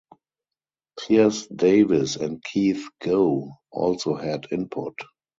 Piers Davies and Keith Gow also had input.